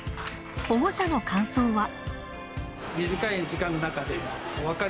保護者の感想は。